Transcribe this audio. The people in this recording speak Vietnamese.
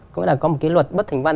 có nghĩa là có một cái luật bất hình văn